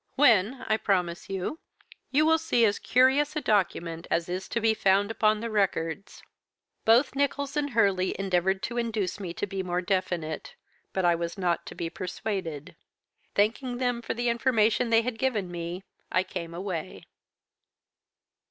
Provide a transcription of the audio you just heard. When, I promise you, you will see as curious a document as is to be found upon the records.' "Both Nicholls and Hurley endeavoured to induce me to be more definite. But I was not to be persuaded. Thanking them for the information they had given me, I came away."